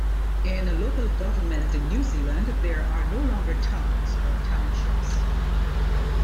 In local government in New Zealand, there are no longer towns or townships.